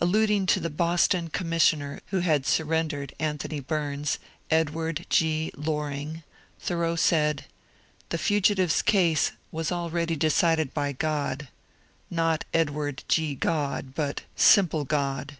Alluding to the Boston commissioner who had sur rendered Anthony Bums, Edward O. Loring, Thoreau said, *^The fugitive's case was already decided by God, — not Edward G. Gt)d, but simple God.